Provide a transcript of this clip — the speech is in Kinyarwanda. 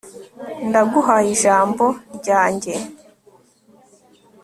ndaguhaye ijambo ryanjye